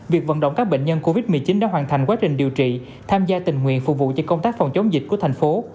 việc vận động các bệnh nhân covid một mươi chín đã hoàn thành quá trình điều trị tham gia tình nguyện phục vụ cho công tác phòng chống dịch của thành phố